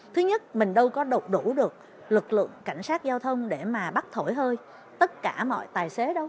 thứ nhất mình đâu có độc đủ được lực lượng cảnh sát giao thông để mà bắt thổi hơi tất cả mọi tài xế đâu